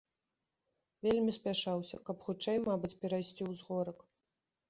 Вельмі спяшаўся, каб хутчэй, мабыць, перайсці ўзгорак.